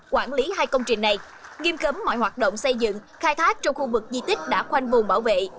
quản lý hai công trình này nghiêm cấm mọi hoạt động xây dựng khai thác trong khu vực di tích đã khoanh vùng bảo vệ